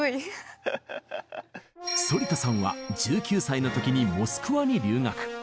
反田さんは１９歳の時にモスクワに留学。